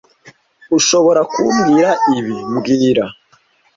Ushobora ku mbwira ibi mbwira